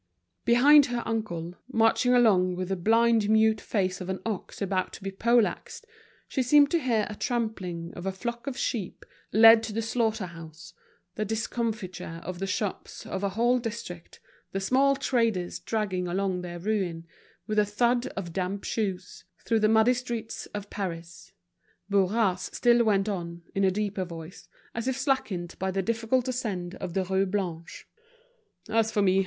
Behind her uncle, marching along with the blind, mute face of an ox about to be poleaxed, she seemed to hear the tramping of a flock of sheep led to the slaughter house, the discomfiture of the shops of a whole district, the small traders dragging along their ruin, with the thud of damp shoes, through the muddy streets of Paris. Bourras still went on, in a deeper voice, as if slackened by the difficult ascent of the Rue Blanche. "As for me.